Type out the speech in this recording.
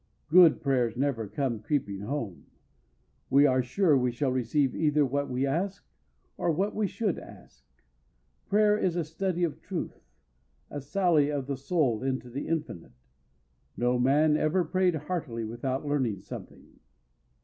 Good prayers never come creeping home. We are sure we shall receive either what we ask or what we should ask. Prayer is a study of truth, a sally of the soul into the infinite. No man ever prayed heartily without learning something.